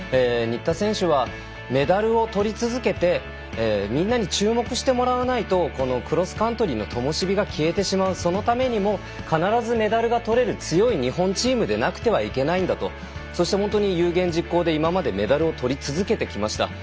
新田選手はメダルを取り続けてみんなに注目してもらわないとクロスカントリーのともし火が消えてしまうそのためにも必ずメダルが取れる強い日本チームでなくてはいけないんだとそして本当に有言実行でメダルを取り続けてきました。